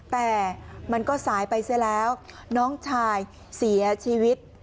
แต่มันก็สายไปเสียแล้วน้องชายเสียชีวิต